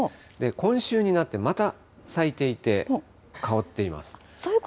今週になってまた咲いていて、香っています。